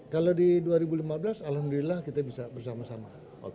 kalau di dua ribu lima belas alhamdulillah kita bisa bersama sama